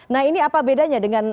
nah ini apa bedanya dengan